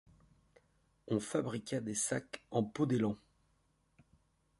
On fabriqua des sacs en peau d’élan.